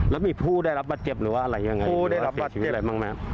แล้วมีผู้ได้รับบัตรเจ็บหรือว่าอะไรหรือเสียชีวิตอะไรบ้างไหมครับ